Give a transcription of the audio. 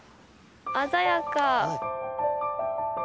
鮮やか。